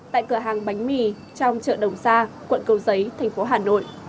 tại cửa hàng bánh mì trong chợ đồng sa quận cầu giấy thành phố hà nội